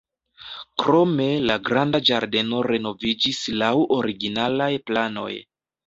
Krome la granda ĝardeno renoviĝis laŭ originalaj planoj.